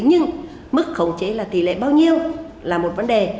nhưng mức khống chế là tỷ lệ bao nhiêu là một vấn đề